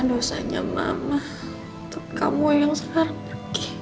coba tanya nope